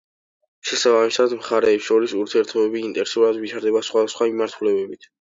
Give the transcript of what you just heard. შესაბამისად, მხარეებს შორის ურთიერთობები ინტენსიურად ვითარდება სხვადასხვა მიმართულებით.